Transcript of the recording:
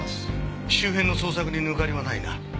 周辺の捜索に抜かりはないな。